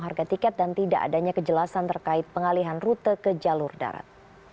harga tiket dan tidak adanya kejelasan terkait pengalihan rute ke jalur darat